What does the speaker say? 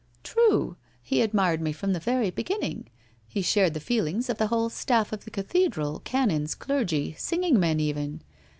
' True. He admired me from the very beginning. He shared the feelings of the whole staff of the cathedral, canons, clergy, singing men even.